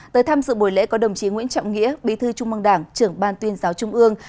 tới tham dự buổi lễ có đồng chí nguyễn trọng nghĩa bí thư trung mong đảng trưởng ban tuyên giáo trung ương